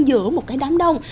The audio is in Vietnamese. giữa một cái đám đông